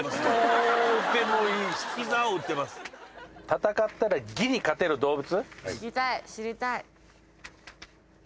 戦ったらギリ勝てる動物？